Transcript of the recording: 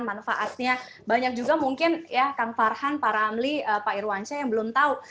manfaatnya banyak juga mungkin ya kang farhan pak ramli pak irwansya yang belum tahu